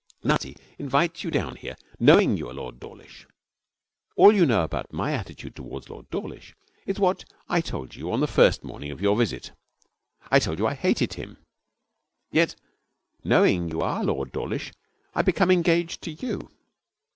Nutty invites you down here, knowing that you are Lord Dawlish. All you know about my attitude towards Lord Dawlish is what I told you on the first morning of your visit. I told you I hated him. Yet, knowing you are Lord Dawlish, I become engaged to you.